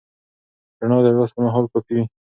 رڼا د لوست پر مهال کافي وي.